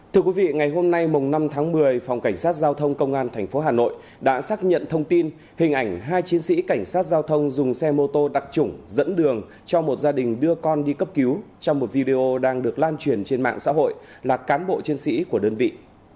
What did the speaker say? thưa quý vị ngày hôm nay năm tháng một mươi phòng cảnh sát giao thông công an tp hà nội đã xác nhận thông tin hình ảnh hai chiến sĩ cảnh sát giao thông dùng xe mô tô đặc trủng dẫn đường cho một gia đình đưa con đi cấp cứu trong một video đang được lan truyền trên mạng xã hội là cán bộ chiến sĩ của đơn vị